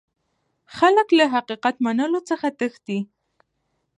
خلک له حقيقت منلو څخه تښتي.